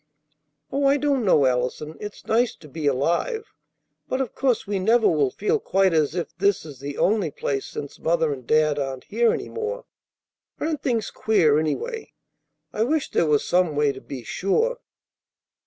"Oh, I don't know, Allison; it's nice to be alive. But of course we never will feel quite as if this is the only place since Mother and Dad aren't here any more. Aren't things queer, anyway? I wish there was some way to be sure."